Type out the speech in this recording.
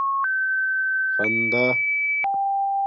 خندݳ